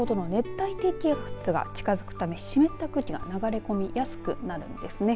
先ほどの熱帯低気圧が近づくため湿った空気が流れ込みやすくなるんですね。